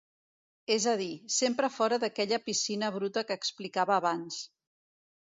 És a dir, sempre fora d’aquella piscina bruta que explicava abans.